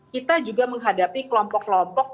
kita juga menghadapi kelompok kelompok